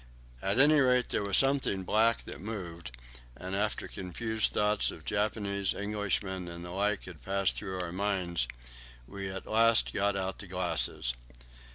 At any rate there was something black that moved, and after confused thoughts of Japanese, Englishmen, and the like had flashed through our minds, we at last got out the glasses.